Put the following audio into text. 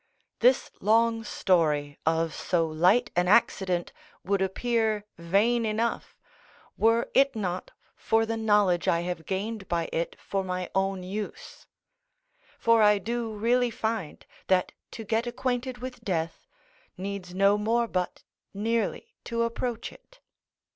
This long story of so light an accident would appear vain enough, were it not for the knowledge I have gained by it for my own use; for I do really find, that to get acquainted with death, needs no more but nearly to approach it.